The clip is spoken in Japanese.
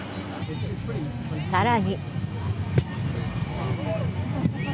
さらに。